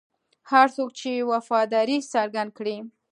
هر څوک چې وفاداري څرګنده کړي.